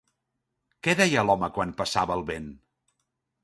Què deia l'home quan passava el vent?